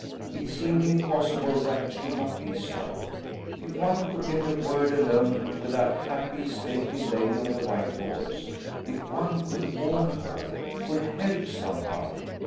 It seemed impossible that it should not be so. If one could get a word alone with that happy, stately lady on the white horse, if one could warn her, could help somehow!